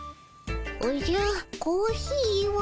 おじゃコーヒーは。